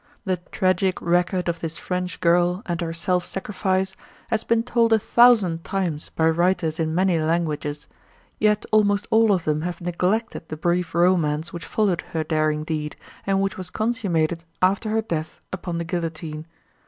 The tragic record of this French girl and her self sacrifice has been told a thousand times by writers in many languages; yet almost all of them have neglected the brief romance which followed her daring deed and which was consummated after her death upon the guillotine.